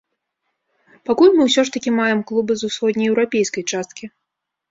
Пакуль мы ўсё ж такі маем клубы з усходнееўрапейскай часткі.